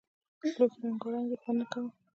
لوښي رنګونک دي خوند نۀ که